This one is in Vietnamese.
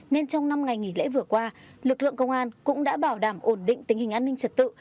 nên trong năm ngày nghỉ lễ vừa qua lực lượng công an cũng đã bảo đảm ổn định tình hình an ninh trật tự